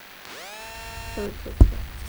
行政中心位于弗克拉布鲁克。